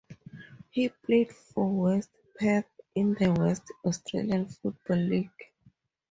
He played for West Perth in the West Australian Football League.